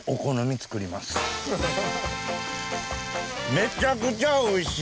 めちゃくちゃおいしい。